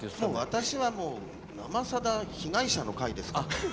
私は「生さだ」被害者の会ですから。